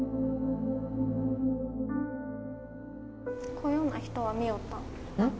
こういうような人は見よったん？